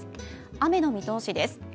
雨の見通しです。